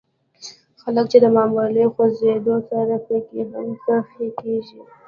ځکه چې د معمولي خوزېدو سره پکښې هم څړيکې کيږي